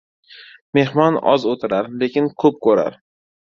• Mehmon oz o‘tirar, lekin ko‘p ko‘rar.